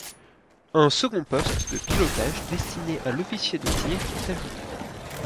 Un second poste de pilotage destiné à l'officier de tir est ajouté.